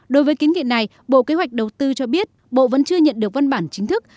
đối với kiến nghị này bộ kế hoạch đầu tư cho biết bộ vẫn chưa nhận được văn bản chính thức